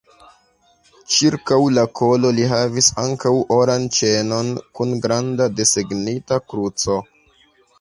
Ĉirkaŭ la kolo li havis ankaŭ oran ĉenon kun granda desegnita kruco.